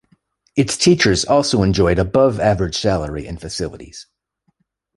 Its teachers also enjoyed above-average salary and facilities.